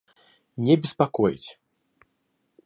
Не беспокоить